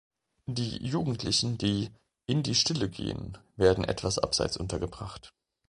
Die Jugendlichen, die „in die Stille gehen“, werden etwas abseits untergebracht.